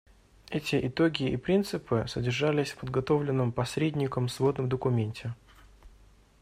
Эти итоги и принципы содержались в подготовленном посредником сводном документе.